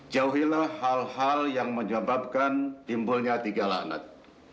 jauhilah hal hal yang menyebabkan timbulnya tiga langat